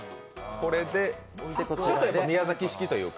これが宮崎式というか。